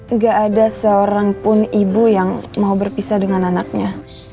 nggak ada seorangpun ibu yang mau berpisah dengan anaknya